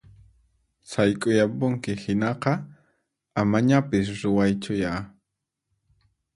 Sayk'uyapunki hinaqa amañapis ruwaychuya!